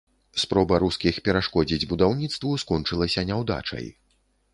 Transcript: Спроба рускіх перашкодзіць будаўніцтву скончылася няўдачай.